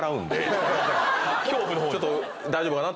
ちょっと大丈夫かな？